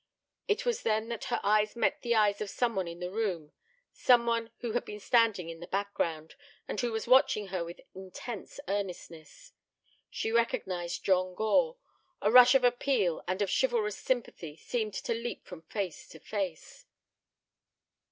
It was then that her eyes met the eyes of some one in the room, some one who had been standing in the background, and who was watching her with intense earnestness. She recognized John Gore. A rush of appeal and of chivalrous sympathy seemed to leap from face to face.